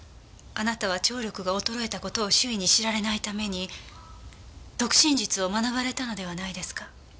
あなたは聴力が衰えた事を周囲に知られないために読唇術を学ばれたのではないですか？